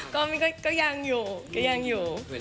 ก็ยังอยู่